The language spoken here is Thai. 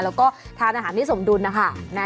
แล้วก็ทานอาหารที่สมดุลนะคะ